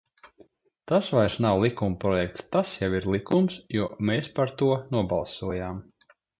Tas vairs nav likumprojekts, tas jau ir likums, jo mēs par to nobalsojām.